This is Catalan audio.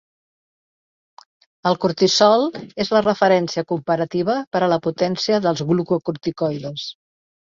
El cortisol és la referència comparativa per a la potència dels glucocorticoides.